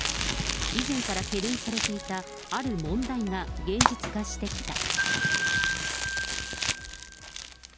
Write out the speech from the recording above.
以前から懸念されていたある問題が現実化してきた。